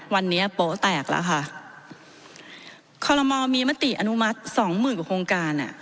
วันนี้โป๊ะแตกแล้วค่ะคอลโมมีมติอนุมัติสองหมื่นกว่าโครงการอ่ะ